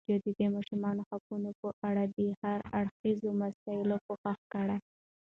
ازادي راډیو د د ماشومانو حقونه په اړه د هر اړخیزو مسایلو پوښښ کړی.